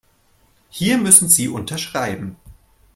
Hier müssen Sie unterschreiben.